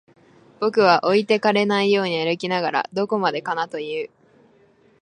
僕は置いてかれないように歩きながら、どこまでかなと言う